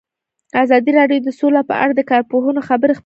ازادي راډیو د سوله په اړه د کارپوهانو خبرې خپرې کړي.